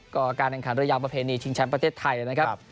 ก็การแข่งขันเรือยาวประเพณีชิงแชมป์ประเทศไทยนะครับ